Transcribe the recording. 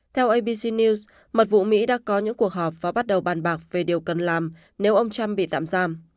theo abc news mật vụ mỹ đã có những cuộc họp và bắt đầu bàn bạc về điều cần làm nếu ông trump bị tạm giam